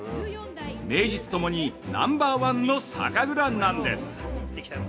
名実ともにナンバーワンの酒蔵なんです。